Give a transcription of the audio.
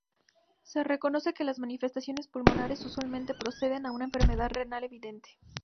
Se reconoce que las manifestaciones pulmonares usualmente preceden a una enfermedad renal evidente.